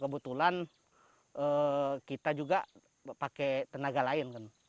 kebetulan kita juga pakai tenaga lain kan